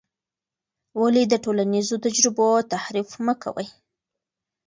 ولې د ټولنیزو تجربو تحریف مه کوې؟